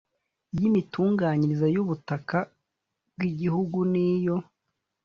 y imitunganyirize y ubutaka bw igihugu n iyo